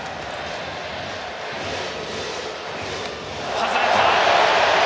外れた。